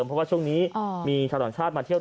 เพราะว่าช่วงนี้มีชาวต่างชาติมาเที่ยว